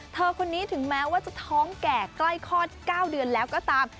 เธอคนนี้ถึงแม้ว่าจะท้องแก่ใกล้คลอด๙เดือนแล้วก็ตาม